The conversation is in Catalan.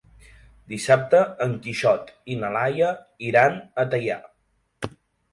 Dissabte en Quixot i na Laia iran a Teià.